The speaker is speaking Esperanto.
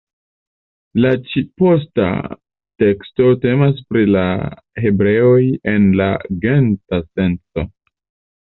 La ĉi-posta teksto temas pri la hebreoj en la genta senco.